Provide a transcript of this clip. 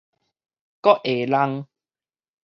胳下櫳